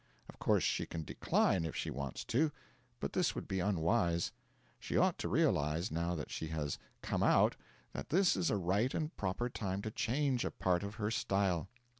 Of course, she can decline if she wants to; but this would be unwise. She ought to realise, now that she has 'come out,' that this is a right and proper time to change a part of her style.